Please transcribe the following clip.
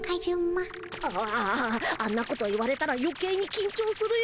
ああああんなこと言われたらよけいにきんちょうするよ。